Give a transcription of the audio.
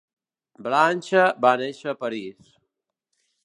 Blanche va néixer a París.